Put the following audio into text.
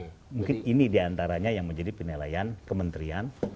mungkin ini diantaranya yang menjadi penilaian kementerian